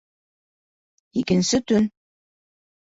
Икенсе төн